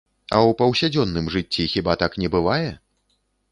А ў паўсядзённым жыцці хіба так не бывае?